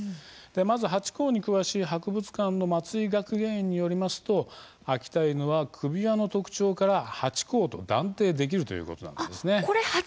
まずハチ公に詳しい博物館の松井学芸員によりますと秋田犬は首輪の特徴からハチ公と断定できるということです。